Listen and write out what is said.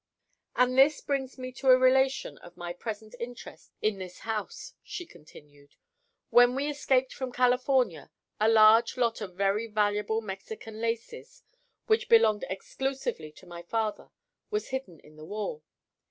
"And this brings me to a relation of my present interest in this house," she continued. "When we escaped from California a large lot of very valuable Mexican laces which belonged exclusively to my father was hidden in the wall.